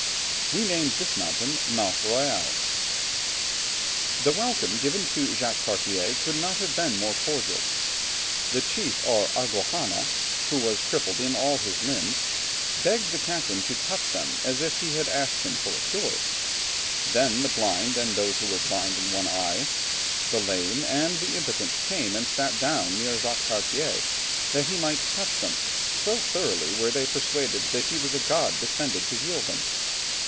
We named this mountain the Mount Royal." The welcome given to Jacques Cartier could not have been more cordial. The chief or Agouhanna, who was crippled in all his limbs, begged the captain to touch them, as if he had asked him for a cure. Then the blind, and those who were blind in one eye, the lame, and the impotent came and sat down near Jacques Cartier, that he might touch them, so thoroughly were they persuaded that he was a god descended to heal them.